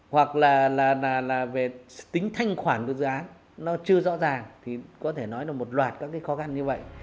hoặc là về tính thanh khoản của dự án nó chưa rõ ràng thì có thể nói là một loạt các cái khó khăn như vậy